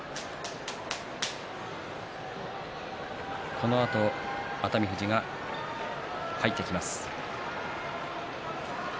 このあと熱海富士が入ってきます。